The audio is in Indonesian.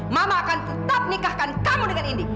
mama akan tetap nikahkan kamu dengan indi